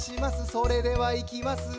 それではいきます